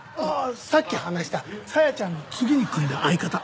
さっき話した紗矢ちゃんの次に組んだ相方。